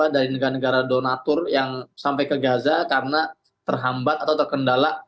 dari negara negara donatur yang sampai ke gaza karena terhambat atau terkendala